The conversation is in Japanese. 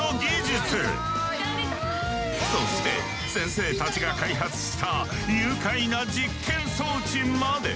そして先生たちが開発した愉快な実験装置まで。